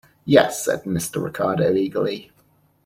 "Yes," said Mr. Ricardo eagerly.